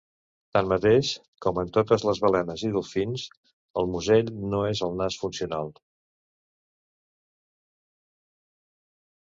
Tanmateix, com en totes les balenes i dofins, el musell no és el nas funcional.